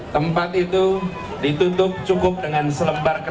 tempat itu ditutup cukup dengan selembar ke